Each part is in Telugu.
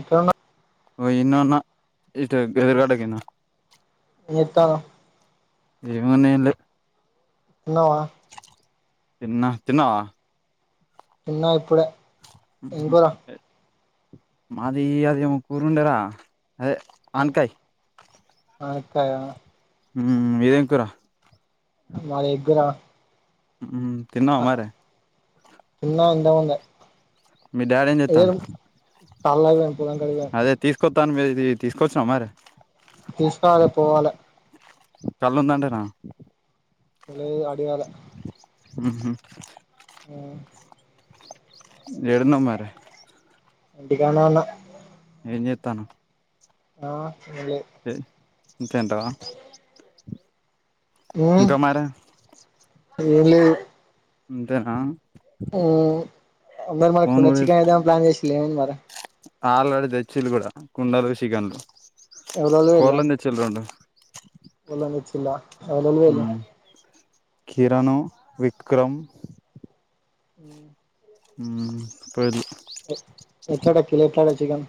ఎప్పుడన్న ఓ ఈన్నే ఉన్నా ఇటు గెదురుగడ్డ కినా ఏం చేత్తన్నావ్ ఏమో నేన్లే తినవా తిన్న తిన్నవా తిన్న ఇప్పుడే ఏం కూర మాది అది ఓ పురుండరా అదే అన్కాయ్ మునక్కాయ ఉమ్ మీదేం కూరా వాళ్ళు ఎగ్గురా ఉమ్ తిన్నవా మరి చిన్న ఎంతా ఉంద మీ డాడీ ఏం ఏరు చెత్తాండు తల్వవ పుల కడిగం మొత్తంన్ కయితే తీసుకొచ్చినావ మరి తీసుకోవలా పోవాల కళ్ళు ఉందండినా లే అడిగాలే ఉహూ హ్మ్ ఏడున్నావ్ మరి ఇంటి కన్నే ఉన్న ఏం చెత్తన్నావ్ ఆ ఏం లేదు అంతే అంతే అంటావా ఉమ్ ఇంకా మారి ఏం లేదు అంతేనా హ్మ్ అందరు ఫోన్ మనకు కూడా నచ్చికన్ ఏదామని ప్లాన్ చేసిలేమని మరి ఆల్రెడీ తెచ్చిలు కూడా కుండలు షికన్లు కోళ్ళను తెచ్చీలు రోండు కోళ్ళను తెచ్చిన్లా ఉమ్ కిరణు విక్రమ్ హ్మ్ ఉమ్ పదు చికన్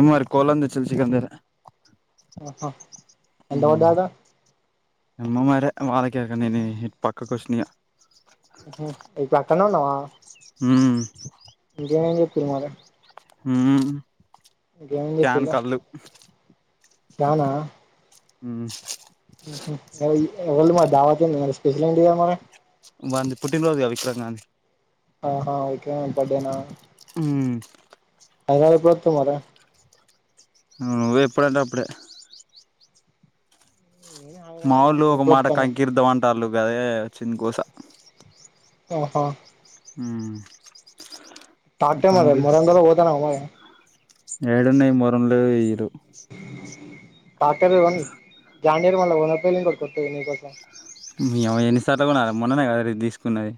ఉన్నారు కోళ్ళను తెచ్చింది చికెన్ దగ్గర ఆహా ఎంత పడ్డయాట అమ్మ మరె వాళ్ళ కె ఇక నేను ఇటు పక్కకు వ పైనాల మ్మ్ ఇంకా ఏమేమి చేప్పినారు మ్మ్ క్యాన్ కళ్ళు క్యానా మ్మ్ ఉహు ఇవాళ్ళ మాకు దావాత్ ఉంది మరి స్పెషల్ ఎంటి ఇగ మరి వాన్ది పుట్టిన రోజు కదా విక్రమ్ గాంధీ ఆహా విక్రమ్ గాని బర్డేనా మ్మ్ హైదరాబాద్ ఎప్పుడు వత్తావు మరి మ్మ్ నువ్వు ఎప్పుడంటే అప్పుడే నేను హైదరాబాద్ ఉన్నా మావళ్ళు నువ్వు ఒక ఎప్పుడు మాట వత్తనవ్ కంకిీర్ధం అంటళు కాయే చిన్న కోస ఆహా మ్మ్ ట్రాక్టర్ మీద మెరంగల్ పోతన్న మే యడున్నాయి మెరంలో యిరు టాకర్ల జాడిరు [unintelligible] మళ వన్ పయలు కూడా నీ కొసం నీ యావ ఎన్నిసార్లు కొనాలే మొన్ననే కదా రా ఇది తీసుకున్నది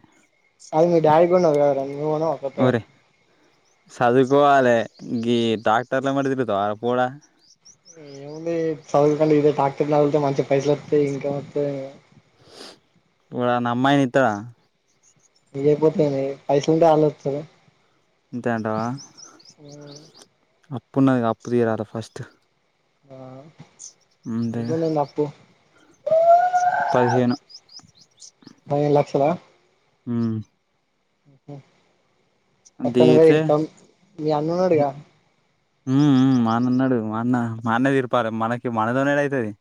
అవ్ మీ డాడీ కొన్నాడు కదార నువ్వు కొనవా కొత్తవి ఒరే చదువుకోవాలే ఇ ట్రాక్టర్ల వెంబడి తిరుగుతావ పొరుడ ఏముంది చదువుకన్న ఇదే టాక్టర్ తొలితే మంచి పైసలు వస్తాయి ఇన్కమ్ వత్తాయి ఎవరన్న అమ్మాయిని ఇత్తవా ఇగ పోతేనేం పైసలు క [unintelligible] అంతే అంటావ అప్పున్నది అప్పు తీరాలే ఫస్ట్ ఆ ఎంత అంతేగా ఉన్నింది అప్పు పదిహేను ఎనిమిది లక్షల మ్మ్ అత్తను కూడ [unintelligible] దిగితే ఇడత్తాం నికు అన్న ఉన్నాడుగా మ్మ్ మ్మ్ మా అన్న ఉన్నాడుగా మాఅన్న మాఅన్నే తీరిపాలి మనకి మనతోన యడ అవుతుది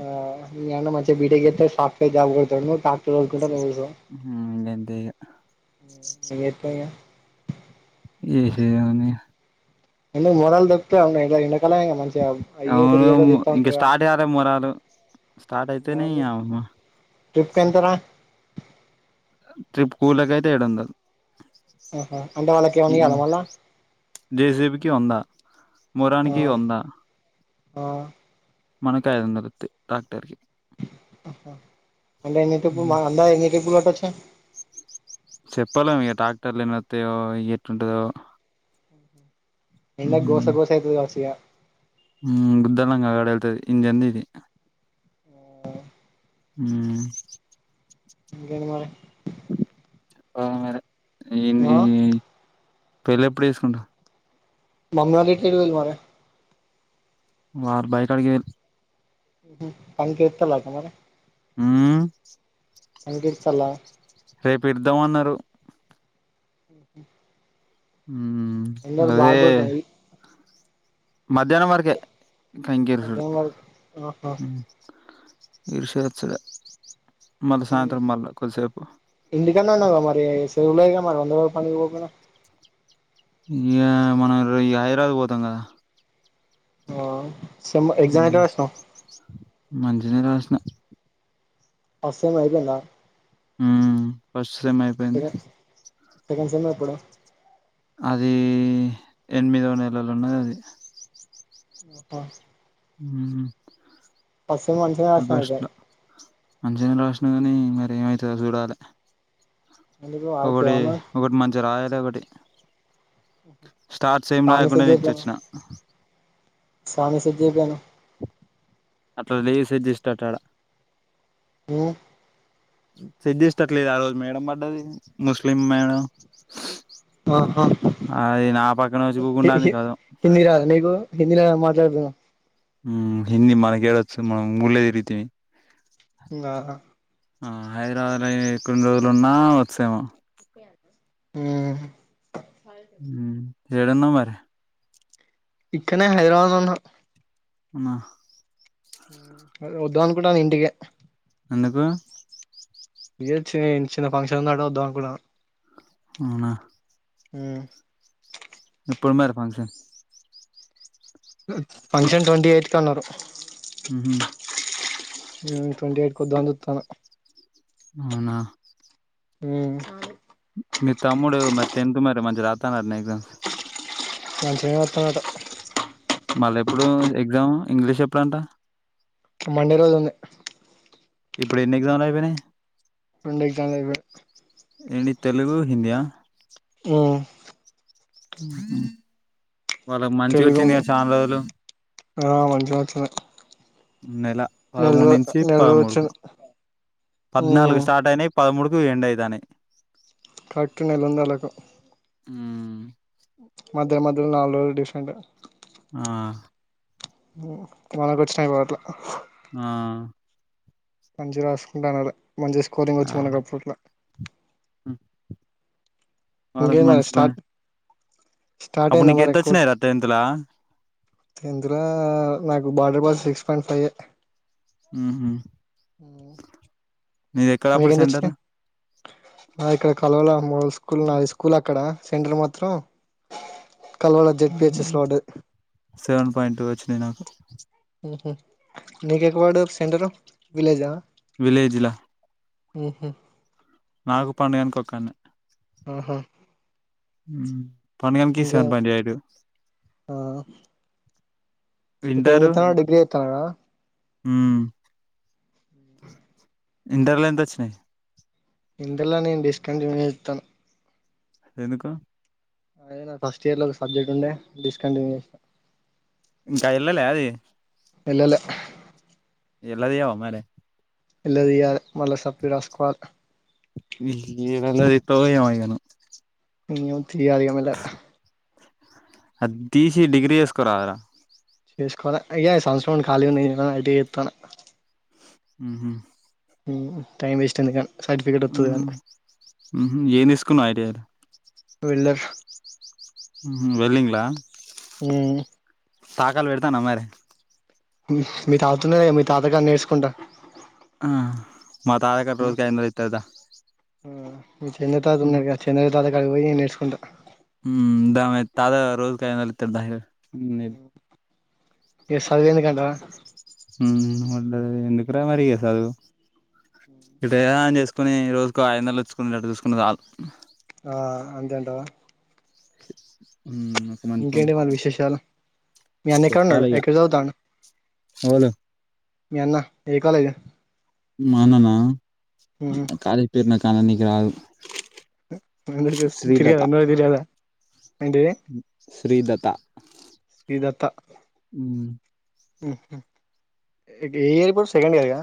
ఆ అన్న మంచిగా బిటేక్ చేత్తోనే సాఫ్ట్వేర్ జాబ్ కొడుతాడు నువ్వు ట్రాక్టర్ తొలుకుంటా నువ్వు హలో గంతే ఏమ్ చెత్తాన్నావ్ ఏహె అని ఎందొ మెరలు దొక్కి వెనకల ఇక మంచిగా అయ్య అవును ఒకయ దీత్త ఇంకా ఉంటారుగా స్టార్ట్ కాలే [unintelligible] మొరాలు స్టార్ట్ అయితేనే ఇగ చెప్తాంటార ట్రిప్ కూల్లకి అయితే ఏడు వందలు ఆహా అంటే వాళ్ళకి ఏమన్నా ఇయ్యాలా మళ్ళా జేసీబికి వంద ఆ మెరానికి వందా ఆ మనకి అయిదు వందలు వత్తాయి ట్రాక్టర్కి అంటే ఎన్ని టిప్పులు మన అందసు ఎన్ని టిప్పులు పట్టచ్చు చెప్పాలేమ్ ఇక ట్రాక్టర్లు ఎన్నో వస్తాయో ఎట్లాంటాదొ ఎన్న గోస గోసయితే తమసగా [unintelligible] గుద్దంగా అ గడతాది ఇంజన్ది ఇది మ్మ్ ఇంకేం మరి ఆ మరి ఆ ఈ పెళ్ళి ఎప్పుడు చేసుకుంటావ్ బంగారు ఎట్లా చేయాల్ల మరి వార్ బయి కాడికి వేర్ ఉహు పనికెళ్తుందటనా మరి ఉ పనికి ఏడుత్తళ్ళ రేపు ఇద్దామ్ అన్నారు ఆహ మ్మ్ ఎండలు అదే బాగా కొడుతాయి మధ్యాహ్నం వరకే కంకి ఇరుసుడు మధ్యాహ్నం వరకు ఆహా ఇరిసెయ్యొచ్చుగా ఉ ఇంటి కాన్నే ఉన్నావుగా మరి ఏసు ఏం ఉన్నది ఇగ మనమందరం పనికి పోకట యా మనం రి ఈ హైదరాబాద్ పోతాం కదా వావ్ ఉ మంచిగానే రాసిన అసలు అయ్యిపోయిందా మ్మ్ ఫస్ట్ సెమ్ అయిపోయింది సెకండ్ సెకండ్ సేమ్ ఎప్పుడు అది ఎనిమిదో నెలల ఉన్నది అది అప్పా ఉ సెమ్ మంచిగానే రాసినావ్ ఆగస్టు అయితే లా మంచిగానే రాసిన గాని మరి ఏమైతదో చూడాలే ఎందుకు ఆగుతే ఒకటి ఏమన్నా ఒకటి మంచిగా రాయాలే ఒకటి స్టార్ట్స్ ఏం సార్ రాయకుండా నే ఇచ్చి వచ్చిన స్వామి సెట్ జేబీ అన్నా అట్లా లేదు సెట్ చేసేటట్టు ఆడ ఉ సేట్ చేస్తట్లేదు ఆ రోజు మేడం పడ్డది ముస్లిం మేడం మహా అది నా పక్కన వచ్చి హి కూకుంటాంది హి కథం హింది రాదు నీకు హిందిల మాట్ జేడుందా ఉ హిందీ మనకు ఏడ వచ్చింది మనం ముళ్ళేరితిమి నాన్న ఆ హైదరాబాద్ లే కొన్ని రోజులు ఉన్నా వచ్చు ఏమో ఉ ఉ ఏడున్నావ్ మరి ఇక్కనే హైదరాబాద్ ల ఉన్నా అమ్మ ఉ అదే వద్దాం అనుకుంటునా ఇంటికే ఎందుకు యే చి చిన్న ఫంక్షన్ ఉంది అటు వద్దాం అనుకున్నాను అవునా ఉమ్ ఎప్పుడుమరి ఫంక్షన్ ఫంక్షన్ ట్వంటీ ఎయిత్ కి అన్నారు ఉహు ట్వంటీ ఎయిట్ కొద్దాం అని చూస్తున్న అవునా ఉ మీ తమ్ముడు మరి టెన్త్ మరి మంచిగా రాత్తాన్ దట్న ఎగ్జామ్స్ మంచిగా రాతందట మళ్ళా ఎప్పుడు ఎగ్జామ్ ఇంగ్లీష్ ఎప్పుడు అంట మండే రోజు ఉంది ఇప్పుడు ఎన్ని ఎగ్జామ్లు అయ్యిపోయినాయి రెండు ఎగ్జామ్ లు అయిపోయినాయి ఏంటి తెలుగు హిందియా ఉ ఉ వాళ్ళకు మంచిగా తెలుగు వచ్చిందిగా చాలా రోజులు ఆ మంచిగ వచ్చినయ్ నెల పదమూడు నుంచి రోజు పదమూడు వచ్చింది పద్నాలుగు ఉమ్ స్టార్ట్ అయినయి పదమూడుకి ఎండ్ అయితానై కరెక్ట్ నెల ఉంది ఆళ్లకు ఉమ్ మధ్య మధ్యలో నాలుగు రోజులు డిఫరెంట్ ఆ వాళ్ళకి వచ్చినాయి ఇగో అట్ల ఆ మంచి రాసుకుంటా ఉన్నారు మంచి స్కోరింగ్ వచ్చు మనకప్పుట్లా ఉమ్ ఇంగేం మరి స్టార్ట్ స్టార్ట్ అప్పుడు అయిందా నీకు మరి కోర్స్ ఎంతొచ్చినయ్ రా టెన్త్ ల టెన్త్ ల నాకు బార్డర్ మార్స్ సిక్స్ పాయింట్ ఫైవే హుహు మీకెంత వచ్చినాయి ఇక్కడ కల్వల మోడల్ స్కూల్ నా హైస్కూల్ అక్కడ సెంటర్ మాత్రం కల్వాల జెడ్ పిహెచ్ఎస్ లో బడ్డది సెవెన్ పాయింట్ టూ వచ్చినాయి నాకు హుహూ నీకు ఎక్కడ పడ్డది సెంటర్ విలేజా విలేజ్లా ఉమ్ హూ నాకు పండుగానిక్కి ఒక్కాన్నే ఆహా పండు గానికి ఇంకా సెవన్ పాయింట్ ఏట్ ఆ ఇప్పుడు ఎంజేత్తునడు డిగ్రీ జేత్తునాడ ఉమ్ ఇంటర్ల ఎంత వచ్చినాయి ఇంటర్ ల నేను డిస్కంటిన్యూ జేత్తున ఎందుకు అదే నా ఫస్ట్ ఇయర్ లో ఒక సబ్జెక్ట్ ఉండే డిస్కంటిన్యూ జేసా ఇంకా ఎల్లలే అది ఎల్లలే ఎల్లదీయవా మరీ ఎల్లదీయాలే మళ్ళ సప్లీ రాస్కోవాలే యేడ ఎల్లదీత్తవో ఏమో ఇగ నువ్ ఏమో తీయాలని ఇగ మెల్లగా అది దీసీ డిగ్రీ జేసుకో రాదురా చేసుకోవాలే అయ్యాక ఈ సంవత్సరం ఖాళీ ఉన్నా ఐటీ జేత్తున ఉమ్ హూ ఉమ్ టైమ్ వేస్ట్ ఎందుకని సర్టిఫికేట్ వత్తది కాని హుహూ ఏ దీసుకున్నావ్ ఐటీయేల వెళ్ళా వెళ్ళింగ్లా ఉమ్ తాకలు పెడుతున్నవా మరి మీ తాతుండుగా మీ తాతగాడ నేర్చుకుంటా ఆ మా తాతకాడ రోజ ఐదోందల్ ఇత్తదా మీ చిన్న తాత ఉన్నాడుగా చెచన్న తాతకాడికి పోయి నేర్చుంటా మ్మ్ దవెత్తాలు రోజుకి ఐదు వందల్ ఇత్తను దా ఏ నీకు టె సదువుఎందుకంటవా మ్మ్ ముండదది ఎందుక రా మరీ ఇగ సదువు ఎటెనా ఆన్ జేసుకొని రోజుకు ఐదుదొందల్ వచ్చుకున్ డట్టు చూసుకున్న చాలు ఆ అంతే అంటవా మ్ ఒక మంచెం మరి విశేషాలు మీ అన్న ఎక్కడ ఉన్నాడు చెప్పాలి ఇగ ఎక్కడ చదువుతాండు ఓలు మీ అన్నా ఏ కాలేజు మా అన్ననా ఆ కాలేజ్ పేరు నాకు అననీకి రాదు ఫైప్ హండ్రడ్ తీస్కొన్ తిరిగి శ్రీదత్త అన్న తిరగలా శ్రీదత్త శ్రీ దత్త మ్మ్ ఏ ఇయర్ప్పు సెకండ్ ఇయర్గా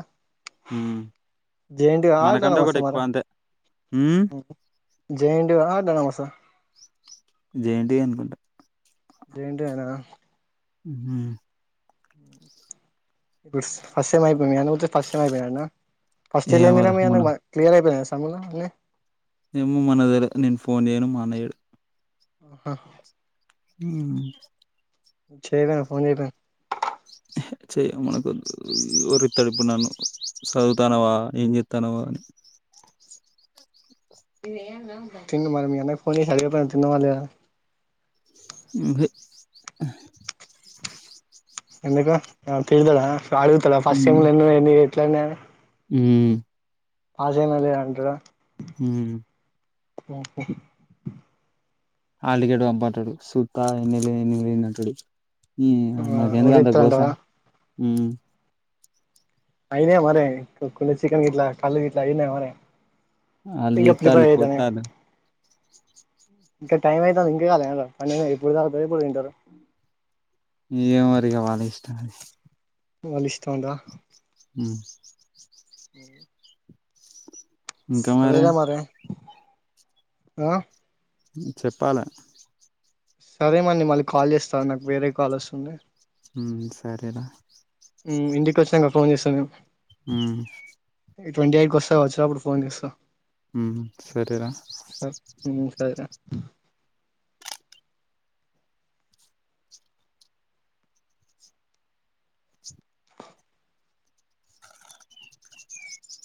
ఉమ్, జెన్టువా మనకంటే ఆటనవస్ ఒకటి మాన ఎక్కువ అంతే మ్ జెఎన్ టువా అటానమస్ ఆ జేఎన్‌టీయూ అనుకుంట జే ఎన్ టు ఏనా హ్మ్ బుస్ ఫస్ట్ టైమ్ అయిపోయింది గాని ఉత్తి ఫస్ టైం అయిపైఅన్న ఫస్ట్ ఇయర్లో ఎన్నిర ఏమోరా మీ మొన్న అన్నకి క్లియర్ అయిపోయినా అస్ తముల లే ఎమో మనతెలె నేన్ ఫోన్ జెయ్యను మా అన్న జేయడు ఆహా హ్మ్ చెయ్యరా ఫోన్ చేయర హె చేయ మనకొద్దు ఉరితాడు ఇప్పుడు నన్ను చదువుతానవా ఏం చె తనవాని తిన్ను మరి మీ అన్న ఫోన్ జేసి అడిగవ తిన్నవ లేద అని మ్మ్ హె ఎందుకు తీడ్తడ అడుగుతడా ఫస్ట్ సెమ్ లో ఎన్ని ఒయిని ఎట్ల అన్ని అనీ హ్మ్ పాసై మళ్ళీ అంటడా హ్మ్ ఓహ హాల్ టికేట్ పంపు అంటడు సూత్తా ఎన్ని ఎందుకు బోయింది అంటడు మ్మ్ నాకు ఎందుక అంత గోస ఓడిస్తాడంటావా ఉమ్మ్ అయినీఅవ్వరే కుని చికెన్ గిట్లా కళ్ళు గిట్లా అయినీఅవ్వరే వాళ్ళు ఇంకా చేత్తాళ్ళు ప్రిపేర్ అయిదనే కోత్తాళ్ళు ఇంకా టైం అయితాంది ఇందిగ లేవలె అనెమో ఎప్పుడు తావుతారు ఎప్పుడు తింటారు ఈ ఏమో మరి ఇగ వాళ్ళ ఇష్టం వాళ్ళ ఇష్టం ఉందా మ్మ్ మ్మ్ సరేరా మరి ఆ చెప్పా లె సరే మళ్ళీ నేన్ కాల్ చేస్తాను నాకు వేరే కాల్ వస్తుంది హ్మ్ సరేరా ఇంటికి వచ్చంగ ఫోన్ చేస్తాగ హ్మ్ ఈ ట్వంటీ ఎయిట్కి వస్తా వచ్చా అప్పుడు ఫోన్ చేస్తా ఉమ్ సరేరా స సరే